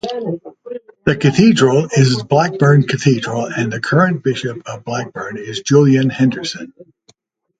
The cathedral is Blackburn Cathedral and the current Bishop of Blackburn is Julian Henderson.